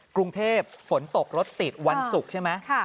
กรุงเทพฝนตกรถติดวันศุกร์ใช่ไหม